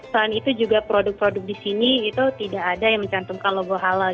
selain itu juga produk produk di sini itu tidak ada yang mencantumkan logo halal